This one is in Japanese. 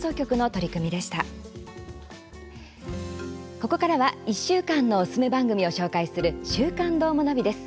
ここからは１週間のおすすめ番組を紹介する「週刊どーもナビ」です。